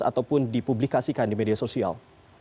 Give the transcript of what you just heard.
ataupun dipublikasikan di media sosial